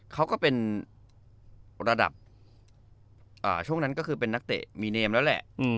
เขาก็เป็นระดับช่วงนั้นก็คือเป็นนักเตะมีเนมแล้วแหละ